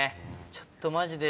ちょっとマジで。